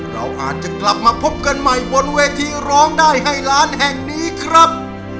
เราอาจจะกลับมาพบกันใหม่บนเวทีร้องได้ให้ล้านแห่งนี้ครับ